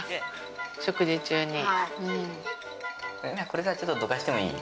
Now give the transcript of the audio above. これさちょっとどかしてもいい？